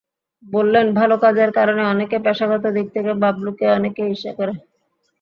বললেন, ভালো কাজের কারণে অনেকে পেশাগত দিক থেকে বাবুলকে অনেকে ঈর্ষা করেন।